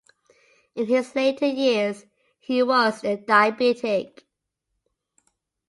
In his later years he was a diabetic.